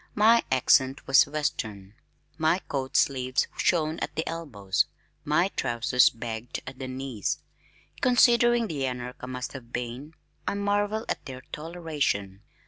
My accent was western. My coat sleeves shone at the elbows, my trousers bagged at the knees. Considering the anarch I must have been, I marvel at their toleration.